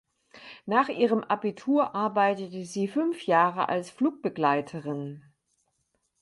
Nach ihrem Abitur arbeitete sie fünf Jahre als Flugbegleiterin.